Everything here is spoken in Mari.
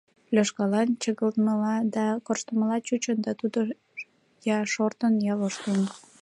Лёшкалан чыгылтымыла да корштымыла чучын, да тудо я шортын, я воштылын.